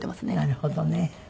なるほどね。